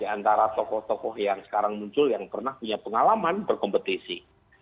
antara tokoh tokoh yang sekarang muncul yang pernah punya pengalaman berkompetisi